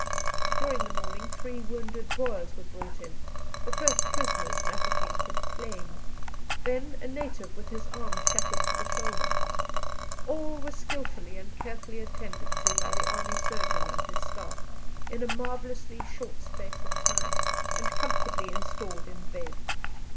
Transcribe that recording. During the morning three wounded Boers were brought in the first prisoners Mafeking could claim; then a native with his arm shattered to the shoulder. All were skilfully and carefully attended to by the army surgeon and his staff in a marvellously short space of time, and comfortably installed in bed.